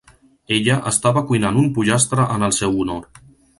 Ella estava cuinant un pollastre en el seu honor.